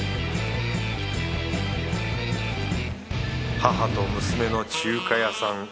母と娘の中華屋さん。